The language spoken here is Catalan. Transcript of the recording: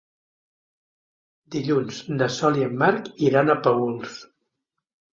Dilluns na Sol i en Marc iran a Paüls.